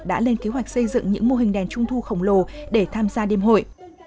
đã lên kế hoạch xây dựng những mô hình đèn trung thu khổng lồ để tham gia đêm hội